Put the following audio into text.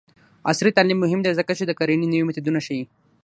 عصري تعلیم مهم دی ځکه چې د کرنې نوې میتودونه ښيي.